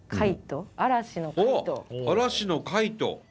嵐の「カイト」。